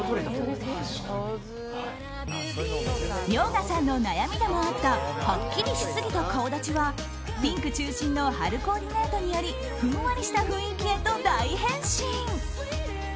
遼河さんの悩みでもあったはっきりしすぎた顔立ちはピンク中心の春コーディネートによりふんわりした雰囲気へと大変身。